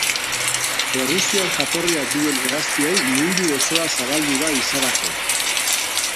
Errusian jatorria duen hegazti hau mundu osora zabaldu da ehizarako.